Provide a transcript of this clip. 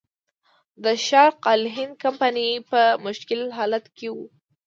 د شرق الهند کمپنۍ په مشکل حالت کې وه.